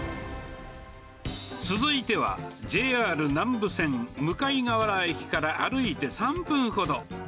続いては、ＪＲ南武線向河原駅から歩いて３分ほど。